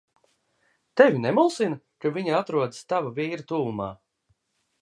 Tevi nemulsina, ka viņa atrodas tava vīra tuvumā?